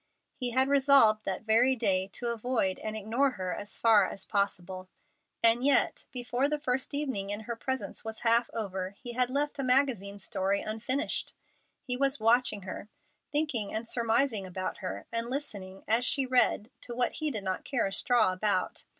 He had resolved that very day to avoid and ignore her as far as possible, and yet, before the first evening in her presence was half over, he had left a magazine story unfinished; he was watching her, thinking and surmising about her, and listening, as she read, to what he did not care a straw about.